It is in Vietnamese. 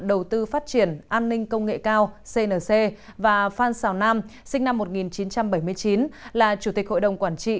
đầu tư phát triển an ninh công nghệ cao cnc và phan xào nam sinh năm một nghìn chín trăm bảy mươi chín là chủ tịch hội đồng quản trị